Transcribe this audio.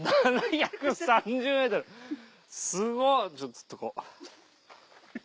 すごっちょっと。